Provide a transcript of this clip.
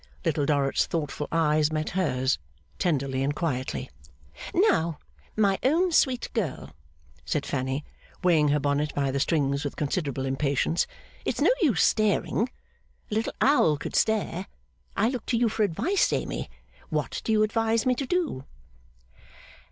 Little Dorrit's thoughtful eyes met hers, tenderly and quietly. 'Now, my own sweet girl,' said Fanny, weighing her bonnet by the strings with considerable impatience, 'it's no use staring. A little owl could stare. I look to you for advice, Amy. What do you advise me to do?